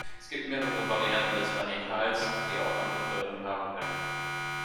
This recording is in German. Es gibt mehrere Varianten des Radikals, die auch andere Bedeutungen haben können.